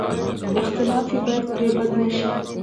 اختلاف یې باید پرې بد نه شي.